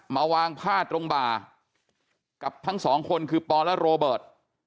มาวางผ้าตรงบ่ากับทั้งสองคนคือปอและโรเบิร์ต